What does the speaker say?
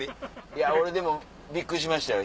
いや俺でもびっくりしましたよ